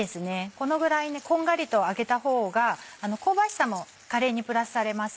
このぐらいこんがりと揚げた方が香ばしさもカレーにプラスされます。